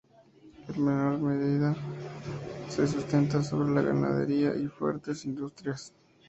En menor medida se sustenta sobre la ganadería y fuertes industrias.